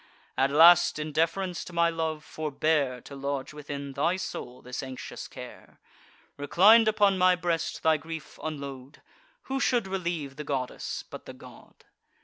At last, in deference to my love, forbear To lodge within thy soul this anxious care; Reclin'd upon my breast, thy grief unload: Who should relieve the goddess, but the god?